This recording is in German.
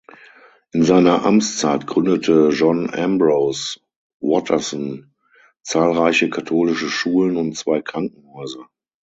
In seiner Amtszeit gründete John Ambrose Watterson zahlreiche katholische Schulen und zwei Krankenhäuser.